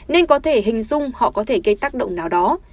nên có thể hình dung họ có thể gây tác động nào đó